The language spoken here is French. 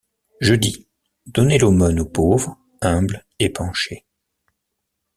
Je dis: Donnez l’aumône au pauvre humble et penché.